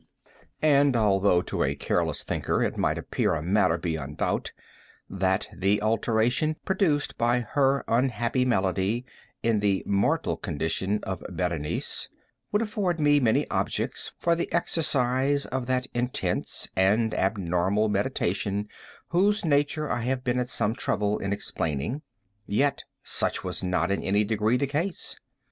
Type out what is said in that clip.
And although, to a careless thinker, it might appear a matter beyond doubt, that the alteration produced by her unhappy malady, in the moral condition of Berenice, would afford me many objects for the exercise of that intense and abnormal meditation whose nature I have been at some trouble in explaining, yet such was not in any degree the case.